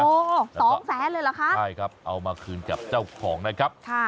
โอ้โหสองแสนเลยเหรอคะใช่ครับเอามาคืนกับเจ้าของนะครับค่ะ